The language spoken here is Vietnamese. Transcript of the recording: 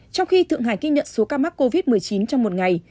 trong khi thượng hải ghi nhận số ca mắc covid một mươi chín trong một ngày